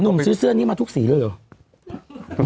ซื้อเสื้อนี้มาทุกสีเลยเหรอ